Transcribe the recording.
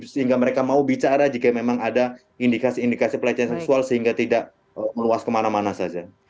sehingga mereka mau bicara jika memang ada indikasi indikasi pelecehan seksual sehingga tidak meluas kemana mana saja